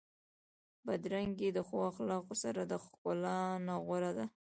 بدرنګي د ښو اخلاقو سره د ښکلا نه غوره ده.